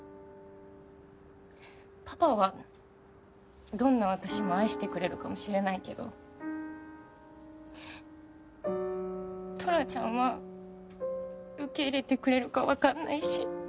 パパはどんな私も愛してくれるかもしれないけどトラちゃんは受け入れてくれるかわかんないし。